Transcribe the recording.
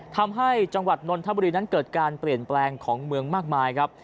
ทำให้จังหวัดนนทบุรีนั้นเกิดการเปลี่ยนแปลงของเมืองมากมายครับ